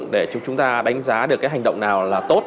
để chúng ta đánh giá được cái hành động nào là tốt